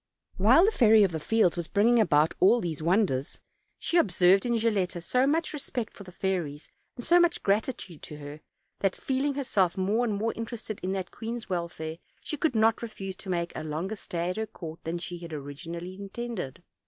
While the Fairy of the Fields was bringing about all these wonders, she observed in Gilletta so much respect for the fairies, and so much gratitude to her, that, feel ing herself more and more interested in that queen's wel fare, she could not refuse to make a longer stay at her oourt than she had originally intended.